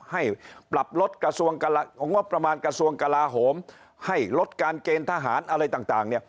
ให้ปรับลดงบประมาณกระทรวงกลาโหมให้ลดการเกณฑ์ทหารอะไรต่าง